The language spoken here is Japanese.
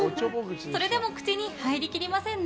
それでも口に入りきりませんね。